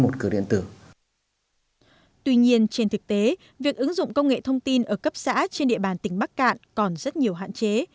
tuy nhiên trên thực tế việc ứng dụng công nghệ thông tin ở cấp xã trên địa bàn tỉnh bắc cạn còn rất nhiều hạn chế